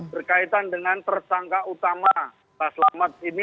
berkaitan dengan tersangka utama pak selamat ini